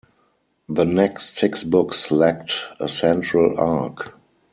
The next six books lacked a central arc.